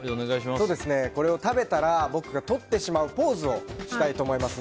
これを食べたら僕がとってしまうポーズをしてみたいと思います。